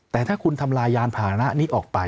แต่ถ้าคุณทำลายยานผ่านะนี้ออกไป